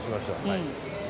はい。